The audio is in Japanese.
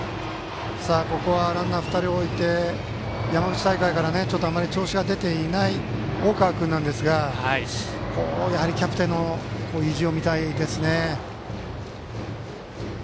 ここはランナー２人置いて山口大会からあまり調子が出ていない大川君なんですがキャプテンの意地を見たいですね。